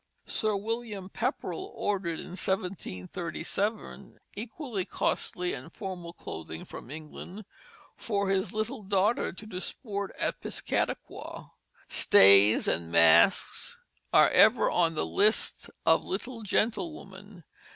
Sir William Pepperell ordered, in 1737, equally costly and formal clothing from England for his little daughter to disport at Piscataquay. Stays and masks are ever on the lists of little gentlewomen.